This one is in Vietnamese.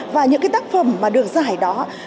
và những cái tác phẩm mà được giải đó